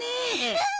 うん！